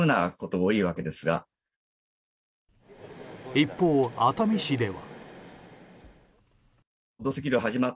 一方、熱海市では。